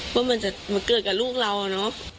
ว่ามันจะมาเกิดกับลูกเราเนอะ